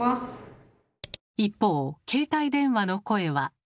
一方携帯電話の声は。